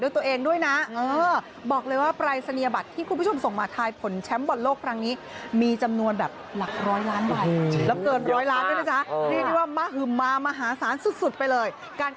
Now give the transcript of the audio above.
ด้วยตัวเองด้วยนะบอกเลยว่าปลายศนียบัตรที่คุณผู้ชมส่งมาท้ายผลแชมป์บทโลก